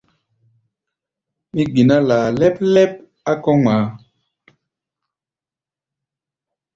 Mí gbiná laa lɛ́p-lɛ́p á kɔ̧́ mɔ.